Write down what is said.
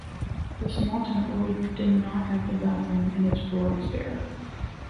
The small temple did not have a bathroom and its floor was bare.